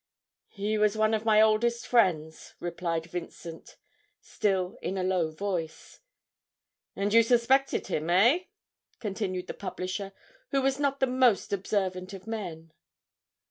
'He was one of my oldest friends,' replied Vincent, still in a low voice. 'And you suspected him, eh?' continued the publisher, who was not the most observant of men.